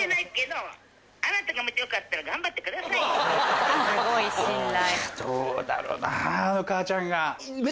どうだろうな母ちゃんが。